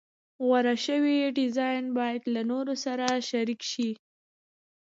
غوره شوی ډیزاین باید له نورو سره شریک شي.